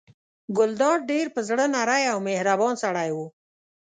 ګلداد ډېر په زړه نری او مهربان سړی و.